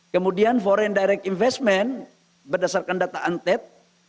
kemudian foreign direct investment berdasarkan data antet